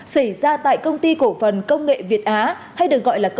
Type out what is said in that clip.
xảy ra tại công ty cổ phần công nghệ việt á